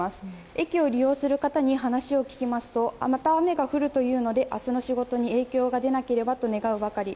駅を利用する方に話を聞きますとまた雨が降るというので明日の仕事に影響が出なければと願うばかり。